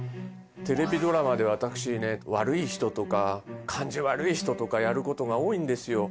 テレビドラマで私ね悪い人とか感じ悪い人とかやることが多いんですよ